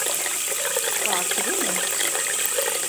Bakire mi?